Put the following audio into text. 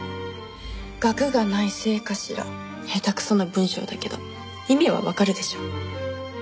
学がないせいかしら下手くそな文章だけど意味はわかるでしょ？